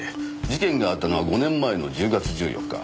事件があったのは５年前の１０月１４日。